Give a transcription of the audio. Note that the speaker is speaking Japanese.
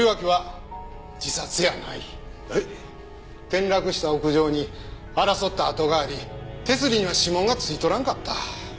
転落した屋上に争った跡があり手すりには指紋が付いとらんかった。